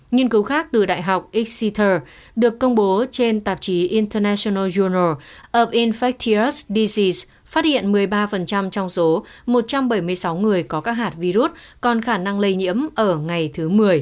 nghiên cứu khác từ đại học exeter được công bố trên tạp chí international journal of infectious diseases phát hiện một mươi ba trong số một trăm bảy mươi sáu người có các hạt virus còn khả năng lây nhiễm ở ngày thứ một mươi